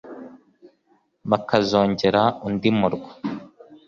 Bakazongera undi murwa